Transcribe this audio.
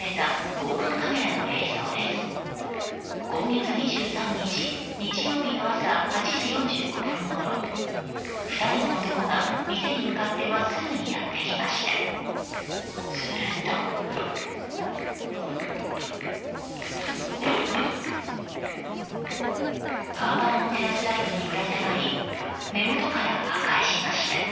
今月２３日日曜日の朝８時４５分ごろ２人の男が店に向かって真っすぐにやってきました。